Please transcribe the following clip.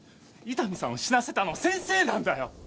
伊丹さんを死なせたのは先生なんだよ。